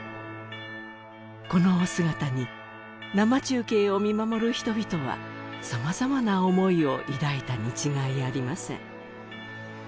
このお姿に生中継を見守る人々は様々な思いを抱いたに違いありません